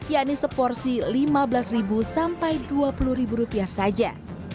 yakni seporsi lima belas sampai dua puluh rupiah saja